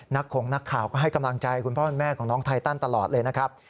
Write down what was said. ของนักข่าวก็ให้กำลังใจคุณพ่อคุณแม่ของน้องไทตันตลอดเลยนะครับ